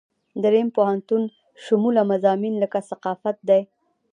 دریم پوهنتون شموله مضامین لکه ثقافت دي.